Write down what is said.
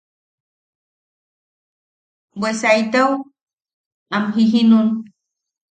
Bwe saitau amjijinun.